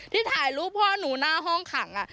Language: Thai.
ถ่ายรูปพ่อหนูหน้าห้องขัง